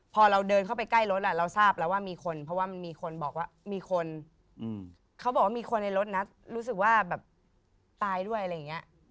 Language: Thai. พอเราเดินเข้าไปใกล้รถเราทราบแล้วว่ามีคนเพราะว่ามันมีคนบอกว่ามีคนเขาบอกว่ามีคนในรถนะรู้สึกว่าแบบตายด้วยอะไรอย่างนี้